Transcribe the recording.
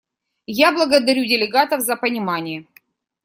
Я благодарю делегатов за понимание.